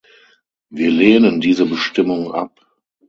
Wir lehnen diese Bestimmung ab.